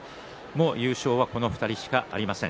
優勝はこの２人しかいません。